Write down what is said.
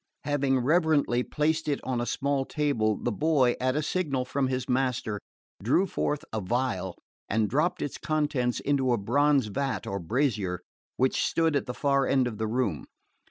Having reverently placed it on a small table, the boy, at a signal from his master, drew forth a phial and dropped its contents into a bronze vat or brazier which stood at the far end of the room.